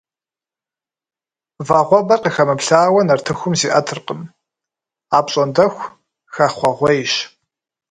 Вагъуэбэр къыхэмыплъауэ нартыхум зиӀэтыркъым, апщӀондэху хэхъуэгъуейщ.